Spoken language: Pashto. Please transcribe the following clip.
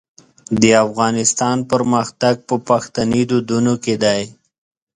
د افغانستان پرمختګ په پښتني دودونو کې دی.